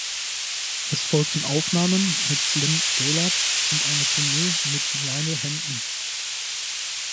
Es folgten Aufnahmen mit Slim Gaillard und eine Tournee mit Lionel Hampton.